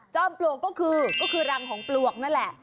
ปลวกก็คือก็คือรังของปลวกนั่นแหละ